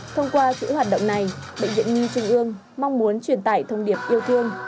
thông qua chữ hoạt động này bệnh viện nhi trung ương mong muốn truyền tải thông điệp yêu thương